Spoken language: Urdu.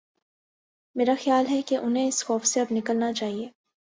میرا خیال ہے کہ انہیں اس خوف سے اب نکلنا چاہیے۔